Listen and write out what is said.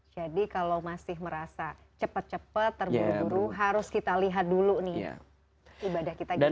jadi kalau masih merasa cepat cepat terburu buru harus kita lihat dulu nih ibadah kita gimana